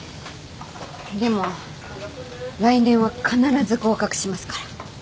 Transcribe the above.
でも来年は必ず合格しますから。